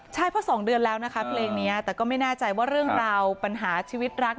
ใช่เพราะ๒เดือนแล้วนะคะเพลงนี้แต่ก็ไม่แน่ใจว่าเรื่องราวปัญหาชีวิตรัก